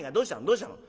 どうしたの？」。